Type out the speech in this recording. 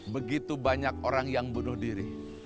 begitu banyak orang yang bunuh diri